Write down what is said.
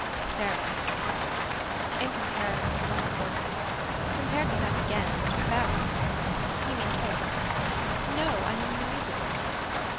Barrels. In comparison what are horses. Compared with that again what are bells. You mean horns. No I mean noises.